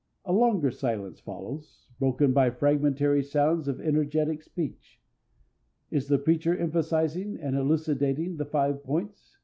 A longer silence follows, broken by fragmentary sounds of energetic speech. Is the preacher emphasizing and elucidating the five points?